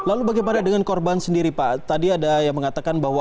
lalu bagaimana dengan korban sendiri pak tadi ada yang mengatakan bahwa